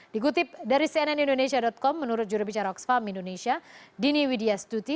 dikutip dari cnnindonesia com menurut jurubicara oxfam indonesia dini widias duti